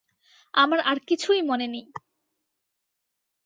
আমার আর কিছুই মনে নেই।